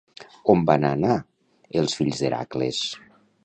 On van anar els fills d'Hèracles?